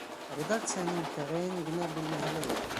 Редакцияның тәғәйен генә бүлмәһе лә юҡ.